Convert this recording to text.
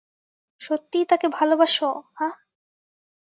সত্যিই তাকে ভালোবাসো, হাহ?